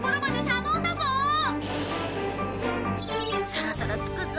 そろそろ着くぞ。